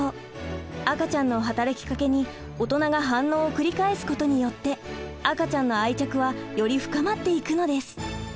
赤ちゃんの働きかけに大人が反応を繰り返すことによって赤ちゃんの愛着はより深まっていくのです。